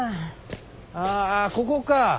ああここか。